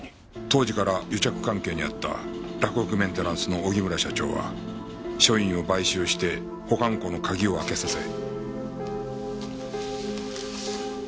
当時から癒着関係にあった洛北メンテナンスの荻村社長は署員を買収して保管庫の鍵を開けさせ。